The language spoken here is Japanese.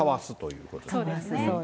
そうですね。